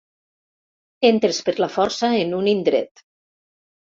Entres per la força en un indret.